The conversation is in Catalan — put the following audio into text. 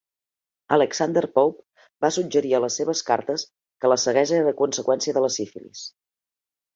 Alexander Pope va suggerir a les seves cartes que la ceguesa era conseqüència de la sífilis.